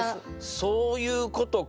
そういうことか。